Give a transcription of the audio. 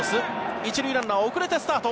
１塁ランナー遅れてスタート。